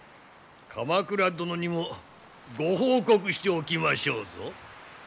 鎌倉殿にもご報告しておきましょうぞ。